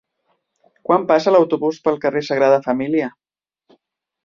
Quan passa l'autobús pel carrer Sagrada Família?